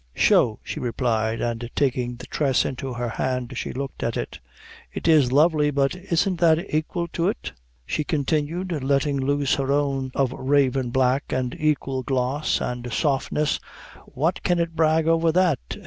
"Show," she replied, and taking the tress into her hand, she looked at it. "It is lovely; but isn't that aquil to it?" she continued, letting loose her own of raven black and equal gloss and softness "what can it brag over that?